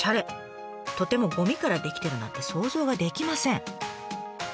とてもゴミから出来てるなんて想像ができません。